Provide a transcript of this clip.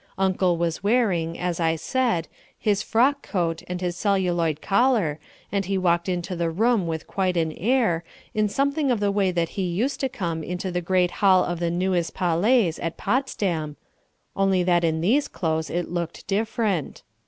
Uncle was wearing, as I said, his frock coat and his celluloid collar and he walked into the room with quite an air, in something of the way that he used to come into the great hall of the Neues Palais at Potsdam, only that in these clothes it looked different.